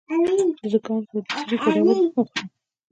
د زکام لپاره د څه شي ګډول وخورم؟